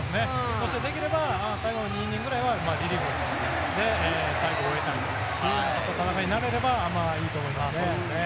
そしてできれば最後２イニングぐらいはリリーフで終えたいという戦いになればいいと思いますね。